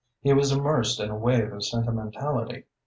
He was immersed in a wave of sentimentality.